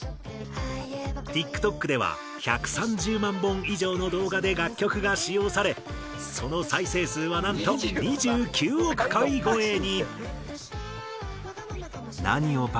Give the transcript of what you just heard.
ＴｉｋＴｏｋでは１３０万本以上の動画で楽曲が使用されその再生数はなんと２９億回超えに！